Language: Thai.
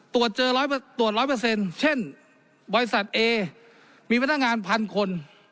ตรวจเจอร้อยตรวจร้อยเปอร์เซ็นต์เช่นบริษัทเอมีพนักงานพันคน